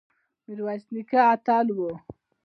میرویس نیکه اتل و